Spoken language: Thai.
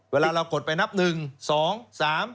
เวลาเรากดไปนับหนึ่งสองสาม